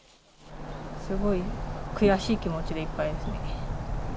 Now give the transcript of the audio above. すごい悔しい気持ちでいっぱいですね。